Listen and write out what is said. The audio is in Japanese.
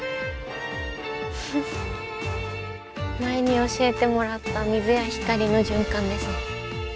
前に教えてもらった水や光の循環ですね。